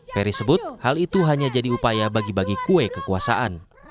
ferry sebut hal itu hanya jadi upaya bagi bagi kue kekuasaan